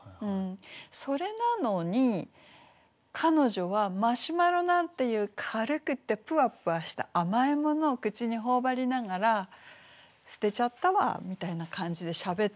それなのに彼女はマシュマロなんていう軽くてぷわぷわした甘いものをくちにほおばりながら「捨てちゃったわ」みたいな感じでしゃべってる。